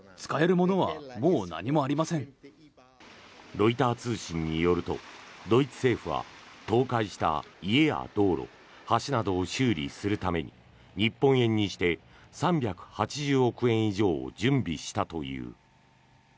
ロイター通信によるとドイツ政府は倒壊した家や道路橋などを修理するために日本円にして３８０億円以上を準備したという。